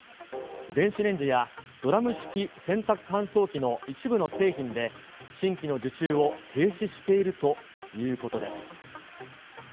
電子レンジやドラム式洗濯乾燥機の一部の製品で、新規の受注を停止しているということです。